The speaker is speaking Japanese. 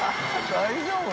大丈夫？